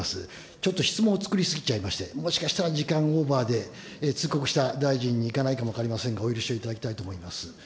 ちょっと質問を作り過ぎちゃいまして、もしかしたら時間オーバーで、通告した大臣にいかないかも分かりませんが、お許しをいただきたいと思います。